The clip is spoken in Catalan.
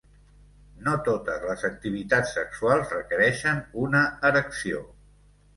No totes les activitats sexuals requereixen una erecció.